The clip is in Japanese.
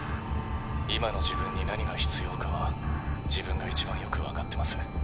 今の自分に何が必要かは自分が一番よく分かってます。